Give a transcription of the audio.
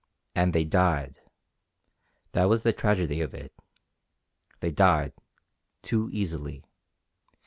And they died. That was the tragedy of it. They died too easily.